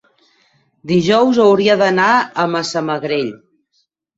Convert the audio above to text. Dijous hauria d'anar a Massamagrell.